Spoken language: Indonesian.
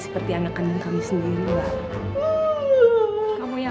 kami akan menjaga anak ini